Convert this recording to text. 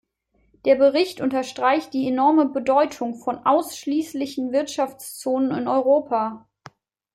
Der Bericht unterstreicht die enorme Bedeutung von ausschließlichen Wirtschaftszonen in Europa.